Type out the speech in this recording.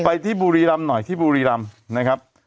ไปที่บุรีรำหน่อยที่บุรีรำนะครับ